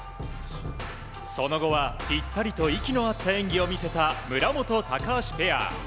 その後はぴったりと息の合った演技を見せた村元、高橋ペア。